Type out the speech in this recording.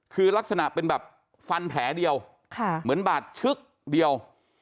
คือลักษณะเป็นแบบฟันแผลเดียวเหมือนบาดชึกเดียว